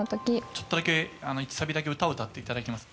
ちょっとだけ１サビだけ歌を歌っていただきます